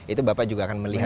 itu bapak juga akan melihat